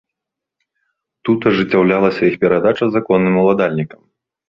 Тут ажыццяўлялася іх перадача законным уладальнікам.